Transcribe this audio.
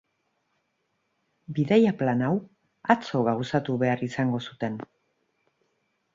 Bidaia plan hau atzo gauzatu behar izango zuten.